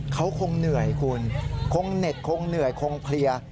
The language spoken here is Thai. เขาคงเหนื่อยคุณคงเหน็ดคงเหนื่อยคงเพลีย